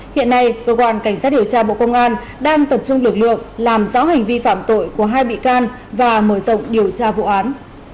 hiện nay cơ quan cảnh sát điều tra bộ công an đang tập trung lực lượng làm rõ hành vi phạm tội của hai bị can và mở rộng điều tra vụ án